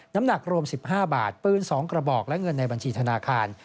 น้ำหนักรวม๑๕บาทปืน๒กระบอกและเงินในบัญชีธนาคาร